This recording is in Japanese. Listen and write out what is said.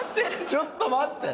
ちょっと待って。